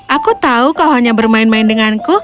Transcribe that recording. aku tahu kau hanya bermain main denganku